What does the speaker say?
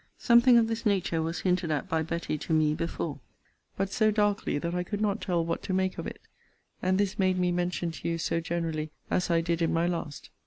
Something of this nature was hinted at by Betty to me before, but so darkly that I could not tell what to make of it; and this made me mention to you so generally as I did in my last.